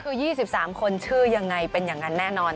คือ๒๓คนชื่อยังไงเป็นอย่างนั้นแน่นอน